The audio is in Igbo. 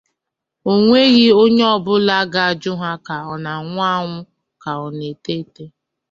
O nweghị onye ọbụla ga-ajụ ha ka ọna-anwụ anwụ ka ọna-ete ete